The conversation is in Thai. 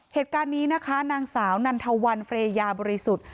เหตุการณ์นี้นะคะนางสาวนันทวันเฟรยาบริสุทธิ์